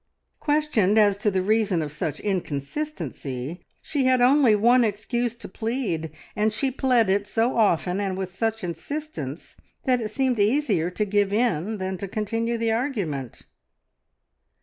Questioned as to the reason of such inconsistency, she had only one excuse to plead, and she pled it so often and with such insistence that it seemed easier to give in than to continue the argument.